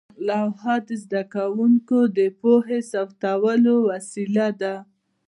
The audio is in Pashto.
لوحه د زده کوونکو د پوهې ثبتولو وسیله وه.